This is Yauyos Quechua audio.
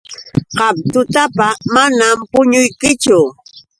Qam tutapa manam puñuykichu.